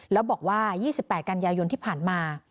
แล้วบอกว่า๒๘กันยายนที่ผ่านมา